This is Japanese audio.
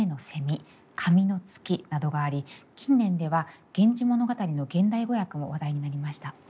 「紙の月」などがあり近年では「源氏物語」の現代語訳も話題になりました。